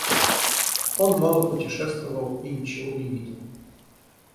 Он мало путешествовал и ничего не видел.